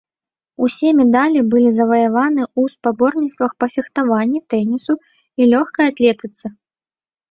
Усе медалі былі заваяваны ў спаборніцтвах па фехтаванні, тэнісу і лёгкай атлетыцы.